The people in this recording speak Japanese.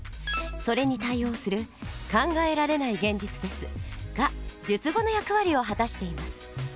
それに対応する「考えられない現実です」が述語の役割を果たしています。